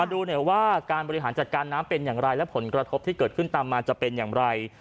ดูหน่อยว่าการบริหารจัดการน้ำเป็นอย่างไรและผลกระทบที่เกิดขึ้นตามมาจะเป็นอย่างไร